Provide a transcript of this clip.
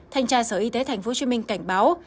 thanh tra sở y tế tp hcm cảnh báo